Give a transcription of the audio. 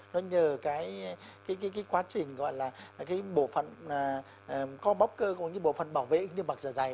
nó nhờ cái quá trình gọi là cái bộ phận co bóc cơ cũng như bộ phận bảo vệ như bậc giả giải